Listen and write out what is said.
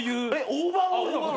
オーバーオール。